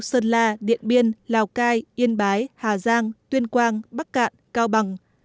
sơn la điện biên lào cai yên bái hà giang tuyên quang bắc cạn cao bằng